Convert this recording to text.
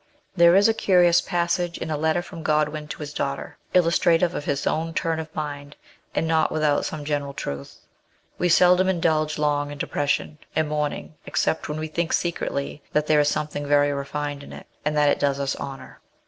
There is a curious passage in a letter from Godwin t3 his daugh ter, illustrative of his own turn of mind, and not without some general truth :" We seldom indulge long in depression and mourning except when we think secretly that there is something very refined in it, and that it does us honour."